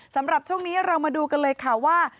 สำหรับช่วงนี้เรามาดูกันเลยค่ะว่า